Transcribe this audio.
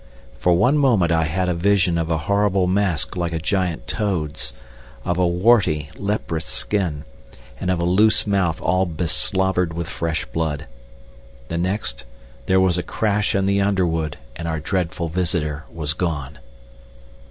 For one moment I had a vision of a horrible mask like a giant toad's, of a warty, leprous skin, and of a loose mouth all beslobbered with fresh blood. The next, there was a crash in the underwood and our dreadful visitor was gone.